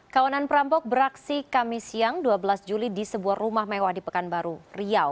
kawanan perampok beraksi kami siang dua belas juli di sebuah rumah mewah di pekanbaru riau